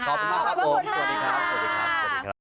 ขอบคุณมากครับผมสวัสดีครับ